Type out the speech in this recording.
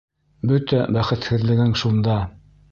Бөтә бәхетһеҙлегең шунда!